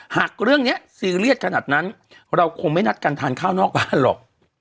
หากเรื่องนี้ซีเรียสขนาดนั้นเราคงไม่นัดการทานข้าวนอกบ้านหรอก